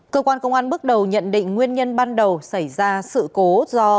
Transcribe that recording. cơ quan công an bước đầu nhận định nguyên nhân ban đầu xảy ra sự cố do